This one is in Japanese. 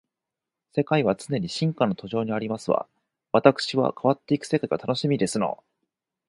世界は常に進化の途上にありますわ。わたくしは変わっていく世界が楽しみですの